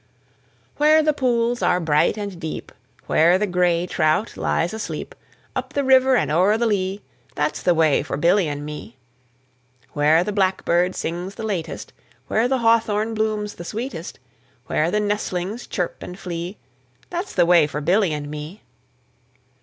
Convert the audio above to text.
Where the pools are bright and deep, Where the gray trout lies asleep, Up the river and o'er the lea, That's the way for Billy and me. Where the blackbird sings the latest, Where the hawthorn blooms the sweetest, Where the nestlings chirp and flee, That's the way for Billy and me.